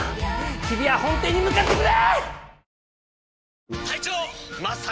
日比谷本店に向かってくれ！